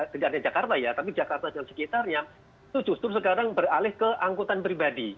sejajarnya jakarta ya tapi jakarta yang sekitarnya itu justru sekarang beralih ke angkutan pribadi